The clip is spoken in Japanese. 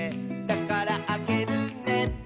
「だからあげるね」